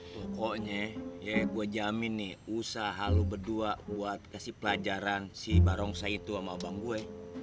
pokoknya gue jamin nih usahalo berdua buat kasih pelajaran si barongsah itu sama abang gue